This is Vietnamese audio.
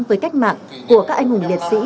với cách mạng